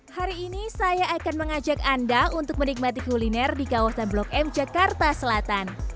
hari ini saya akan mengajak anda untuk menikmati kuliner di kawasan blok m jakarta selatan